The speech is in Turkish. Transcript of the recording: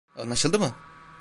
Anlaşıldı mı?